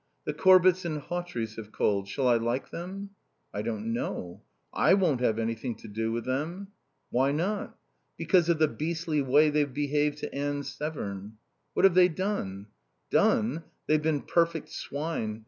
"The Corbetts and Hawtreys have called. Shall I like them?" "I don't know. I won't have anything to do with them." "Why not?" "Because of the beastly way they've behaved to Anne Severn." "What have they done?" "Done? They've been perfect swine.